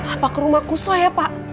apa ke rumah kusu ya pak